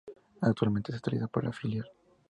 Actualmente es utilizado por el filial.